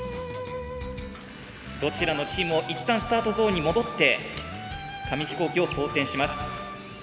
どちらのチームもいったんスタートゾーンに戻って紙飛行機を装填します。